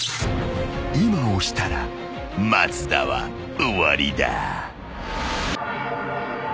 ［今押したら松田は終わりだ］